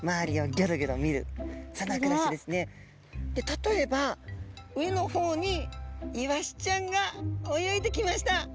例えば上の方にイワシちゃんが泳いできました。